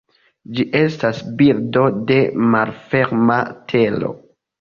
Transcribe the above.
Ĝi estas birdo de malferma tero.